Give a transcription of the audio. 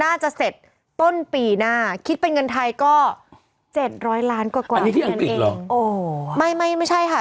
น่าจะเสร็จต้นปีหน้าคิดเป็นเงินไทยก็เจ็ดร้อยล้านกว่ากว่าเท่านั้นเองโอ้ไม่ไม่ไม่ใช่ค่ะ